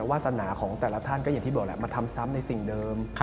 วาสนาของแต่ละท่านก็อย่างที่บอกแหละมาทำซ้ำในสิ่งเดิม